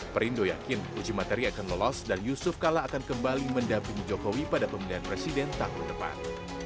perindo yakin uji materi akan lolos dan yusuf kala akan kembali mendampingi jokowi pada pemilihan presiden tahun depan